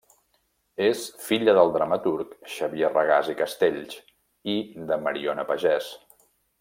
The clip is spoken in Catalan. És filla del dramaturg Xavier Regàs i Castells i de Mariona Pagès.